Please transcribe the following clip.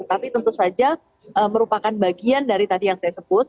tapi tentu saja merupakan bagian dari tadi yang saya sebut